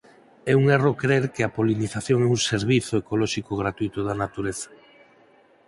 É un erro crer que a polinización é un "servizo ecolóxico gratuíto" da natureza.